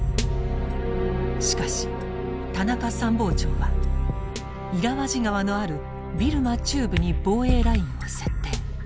しかし田中参謀長はイラワジ河のあるビルマ中部に防衛ラインを設定。